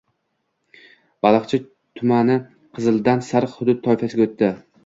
Baliqchi tumani “qizil”dan “sariq” hudud toifasiga o‘tdi